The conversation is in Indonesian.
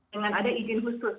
dengan ada izin khusus